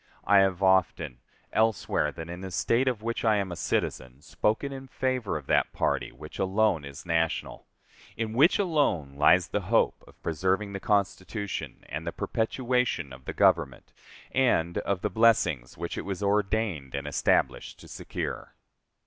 I have often, elsewhere than in the State of which I am a citizen, spoken in favor of that party which alone is national, in which alone lies the hope of preserving the Constitution and the perpetuation of the Government and of the blessings which it was ordained and established to secure.